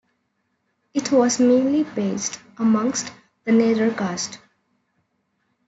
It was mainly based amongst the Nadar caste.